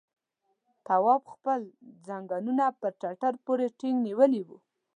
تواب خپل ځنګنونه پر ټټر پورې ټينګ نيولي وو.